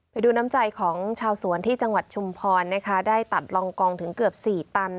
ไปดูน้ำใจของชาวสวนที่จังหวัดชุมพรนะคะได้ตัดลองกองถึงเกือบ๔ตัน